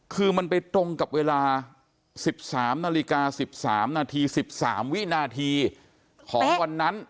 คือมันไปตรงกับเวลา๑๓นาฬิกา๑๓นาที๑๓วินาทีของวันนั้น